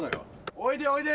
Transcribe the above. おいでおいで！